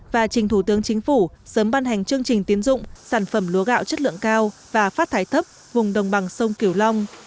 và trình thủ tướng chính phủ sớm ban hành chương trình tiến dụng sản phẩm lúa gạo chất lượng cao và phát thải thấp vùng đồng bằng sông kiểu long